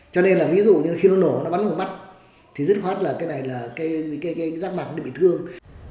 cho nên là ví dụ như khi nó nổ nó bắn vào mắt thì rất khoát là cái này là cái rác mặt nó bị thương